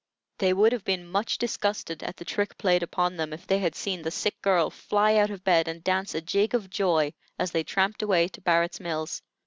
They would have been much disgusted at the trick played upon them if they had seen the sick girl fly out of bed and dance a jig of joy as they tramped away to Barrett's Mills.